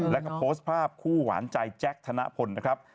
แล้วก็โพสต์ภาพคู่หวานใจแจ๊คธนพลนะครับ